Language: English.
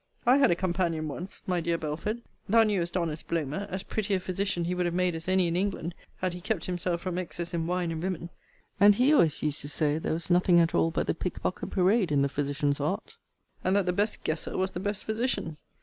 I had a companion once, my dear Belford, thou knewest honest Blomer, as pretty a physician he would have made as any in England, had he kept himself from excess in wine and women; and he always used to say, there was nothing at all but the pick pocket parade in the physician's art; and that the best guesser was the best physician.